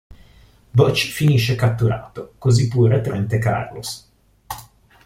Butch finisce catturato, così pure Trent e Carlos.